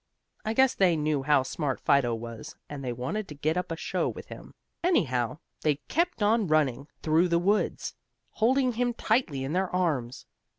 I guess they knew how smart Fido was, and they wanted to get up a show with him. Anyhow, they kept on running through the woods, holding him tightly in their arms.